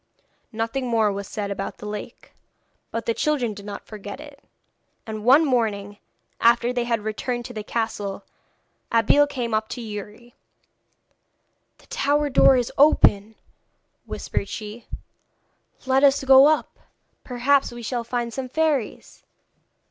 Nothing more was said about the lake, but the children did not forget it, and one morning, after they had returned to the castle, Abeille came up to Youri. 'The tower door is open,' whispered she; 'let us go up. Perhaps we shall find some fairies.'